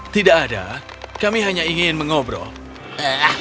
tidak ada kami hanya ingin mengobrol